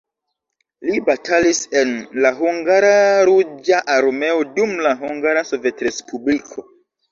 Li batalis en la hungara Ruĝa Armeo dum la Hungara sovetrespubliko.